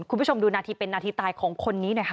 คุณผู้ชมดูนาทีเป็นนาทีตายของคนนี้หน่อยค่ะ